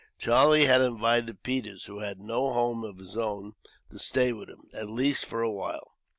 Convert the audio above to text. Charlie had invited Peters, who had no home of his own, to stay with him, at least for a while.